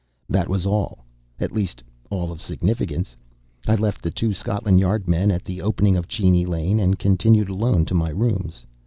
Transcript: That was all. At least, all of significance. I left the two Scotland Yard men at the opening of Cheney Lane, and continued alone to my rooms.